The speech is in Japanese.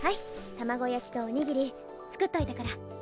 卵焼きとおにぎり作っといたから。